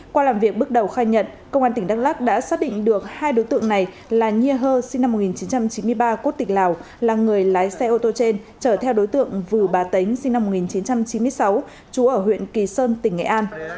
qua làm việc bước đầu khai nhận công an tỉnh đắk lắc đã xác định được hai đối tượng này là nhiê sinh năm một nghìn chín trăm chín mươi ba quốc tịch lào là người lái xe ô tô trên chở theo đối tượng vừa bà tính sinh năm một nghìn chín trăm chín mươi sáu trú ở huyện kỳ sơn tỉnh nghệ an